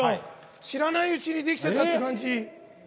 知らないうちにできてたって感じ。